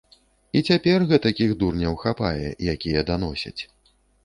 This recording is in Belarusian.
І цяпер гэтакіх дурняў хапае, якія даносяць.